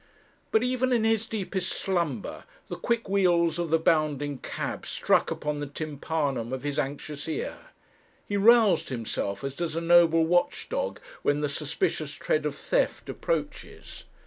But even in his deepest slumber the quick wheels of the bounding cab struck upon the tympanum of his anxious ear. He roused himself as does a noble watch dog when the 'suspicious tread of theft' approaches.